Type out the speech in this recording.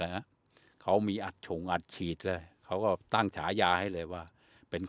ฮะเขามีอัดชงอัดฉีดเลยเขาก็ตั้งฉายาให้เลยว่าเป็น